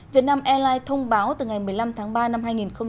việt nam airlines thông báo từ ngày một mươi năm tháng ba năm hai nghìn hai mươi